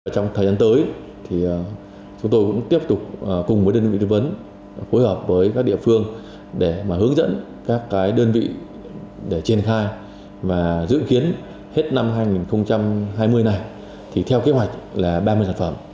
trong thời gian tới chúng tôi cũng tiếp tục cùng với đơn vị tư vấn hối hợp với các địa phương để mà hướng dẫn các đơn vị để triển khai và dự kiến hết năm hai nghìn hai mươi này theo kế hoạch là ba mươi sản phẩm